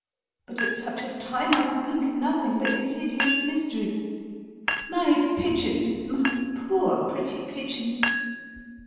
But at such a time I could think of nothing but this hideous mystery. My pigeons my poor, pretty pigeons!"